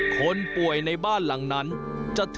คนป่วยในบ้านหลังนั้นจะถือมา